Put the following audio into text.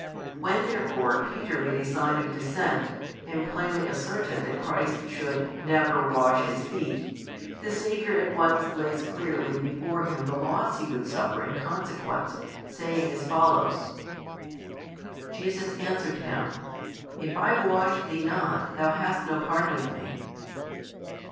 When therefore Peter made a sign of dissent, and plainly asserted that Christ should never wash his feet, the Saviour at once lays clearly before him the loss he would suffer in consequence, saying as follows: Jesus answered him, If I wash thee not, thou hast no part with Me.